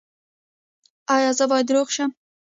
ایا زه باید روغ شم؟